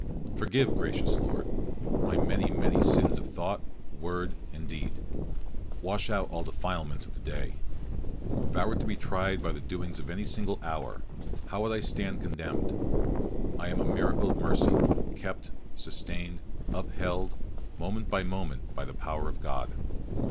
Forgive, gracious Lord, my many, many sins of thought, word, and deed; wash out all the defilements of the day. If I were to be tried by the doings of any single hour, how would I stand condemned! I am a miracle of mercy; kept, sustained, upheld, moment by moment, by the power of God.